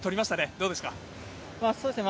どうですか？